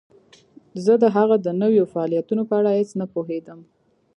زه د هغه د نویو فعالیتونو په اړه هیڅ نه پوهیدم